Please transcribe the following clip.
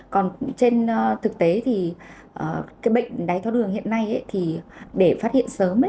còn trên thực tế thì cái bệnh đáy tháo đường hiện nay thì để phát hiện sớm